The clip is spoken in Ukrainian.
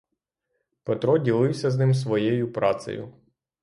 Петро ділився з ним своєю працею.